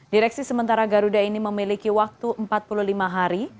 direksi sementara garuda ini memiliki waktu empat puluh lima hari